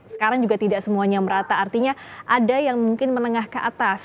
sekarang juga tidak semuanya merata artinya ada yang mungkin menengah ke atas